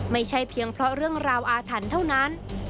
ไม่ใช่เพียงเพราะเรื่องราวอาถรรพ์เท่านั้น